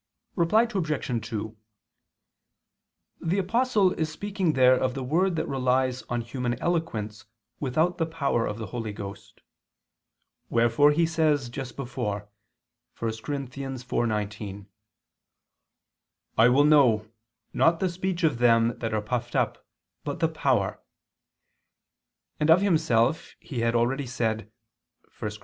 Reply Obj. 2: The Apostle is speaking there of the word that relies on human eloquence without the power of the Holy Ghost. Wherefore he says just before (1 Cor. 4:19): "I ... will know, not the speech of them that are puffed up, but the power": and of himself he had already said (1 Cor.